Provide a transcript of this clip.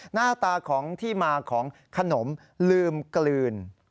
หน้าตาของที่มาของขนมลืมกลืน